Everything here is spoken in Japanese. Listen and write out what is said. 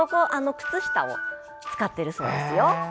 靴下を使っているそうです。